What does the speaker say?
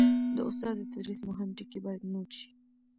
د استاد د تدریس مهم ټکي باید نوټ شي.